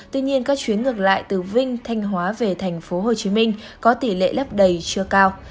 tuy nhiên các chuyến ngược lại từ vinh thanh hóa về tp hcm có tỷ lệ lấp đầy chưa cao